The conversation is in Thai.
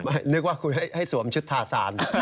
นึกว่าคุณให้สวมชุดทาซาน